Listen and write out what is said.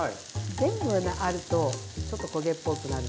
全部にあるとちょっと焦げっぽくなるんですけど。